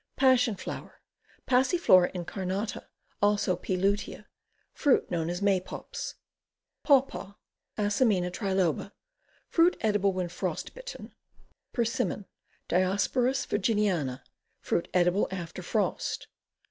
Passion flower. Passiflora incamata. Also P. lutea. Fruit known as Maypops. Pawpaw. Asimina triloba. Fruit edible when frost bitten. Persimmon. Diospyros Virginiana. Fruit edible after frost.